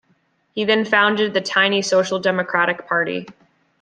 He then founded the tiny Social Democratic Party.